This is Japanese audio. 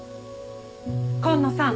紺野さん